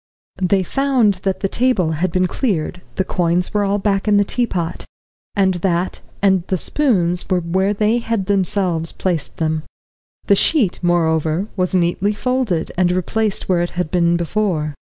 They found that the table had been cleared, the coins were all back in the teapot, and that and the spoons were where they had themselves placed them. The sheet, moreover, was neatly folded, and replaced where it had been before.